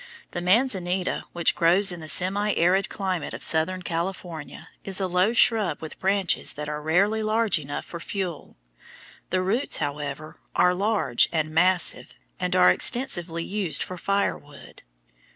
The manzanita, which grows in the semi arid climate of southern California, is a low shrub with branches that are rarely large enough for fuel. The roots, however, are large and massive, and are extensively used for firewood.